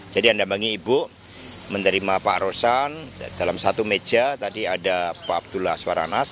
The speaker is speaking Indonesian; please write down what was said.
anda bambangi ibu menerima pak rosan dalam satu meja tadi ada pak abdullah aswar anas